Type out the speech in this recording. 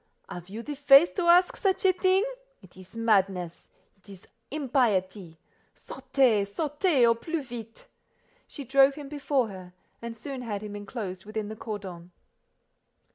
"Have you the face to ask such a thing? It is madness: it is impiety. Sortez, sortez, au plus vite." She drove him before her, and soon had him enclosed within the cordon.